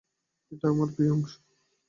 এটা আমার প্রিয় অংশ।